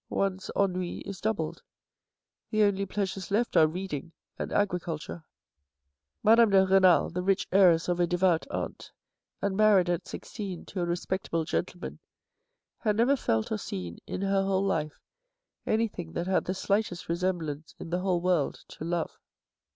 One's ennui is doubled. The only pleasures left are reading and agriculture. Madame de Renal, the rich heiress of a devout aunt, and married at sixteen to a respectable gentleman, had never felt or seen in her whole life anything that had the slightest resemblance in the whole world to love.